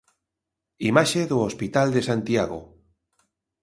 Imaxe do Hospital de Santiago.